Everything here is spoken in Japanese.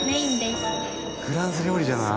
フランス料理じゃない？